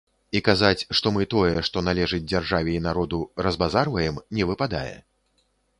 І казаць, што мы тое, што належыць дзяржаве і народу, разбазарваем, не выпадае.